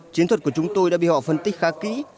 chiến thuật của chúng tôi đã bị họ phân tích khá kỹ